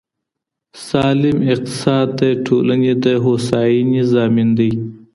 سالم اقتصاد د ټولني د هوساینې ضامن دی.